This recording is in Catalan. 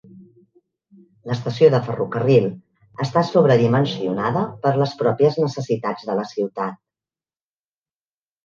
L'estació de ferrocarril està sobredimensionada per les pròpies necessitats de la ciutat.